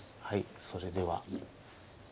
はいそれでは。